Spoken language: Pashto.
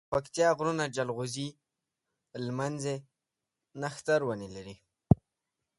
دپکتيا غرونه جلغوزي، لمنځی، نښتر ونی لری